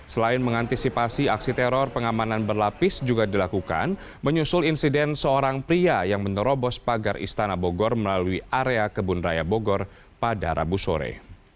selain mengantisipasi aksi teror pengamanan berlapis juga dilakukan menyusul insiden seorang pria yang menerobos pagar istana bogor melalui area kebun raya bogor pada rabu sore